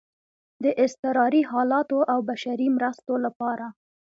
د اضطراري حالاتو او بشري مرستو لپاره